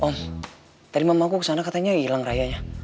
om tadi mamah aku kesana katanya hilang rayanya